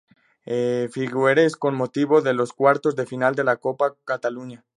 E. Figueres, con motivo de los cuartos de final de la Copa Cataluña.